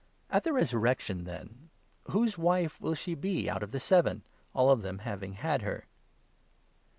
At the resurrection, then, whose 28 wife will she be out of the seven, all of them having had her